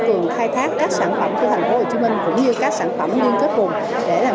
cường khai thác các sản phẩm của thành phố hồ chí minh cũng như các sản phẩm liên kết quần để làm